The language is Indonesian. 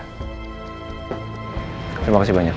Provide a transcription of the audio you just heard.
terima kasih banyak